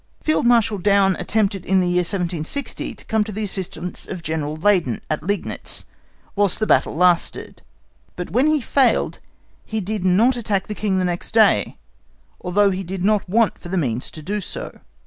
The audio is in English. Field Marshal Daun attempted in the year 1760 to come to the assistance of General Laudon at Leignitz, whilst the battle lasted; but when he failed, he did not attack the King next day, although he did not want for means to do so.